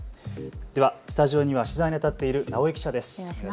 ではスタジオには取材にあたっている直井記者です。